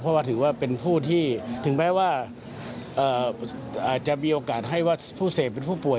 เพราะว่าถือว่าเป็นผู้ที่ถึงแม้ว่าจะมีโอกาสให้ว่าผู้เสพเป็นผู้ป่วย